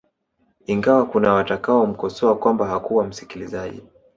Ingawa kuna watakao mkosoa kwamba hakuwa msikilizaji